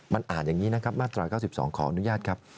มันอ่านอย่างนี้นะครับมาตรา๙๒ขออนุญาตครับ